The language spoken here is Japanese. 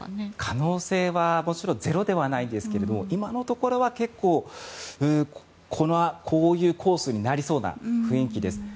可能性はもちろんゼロではないですが今のところは結構、こういうコースになりそうな雰囲気です。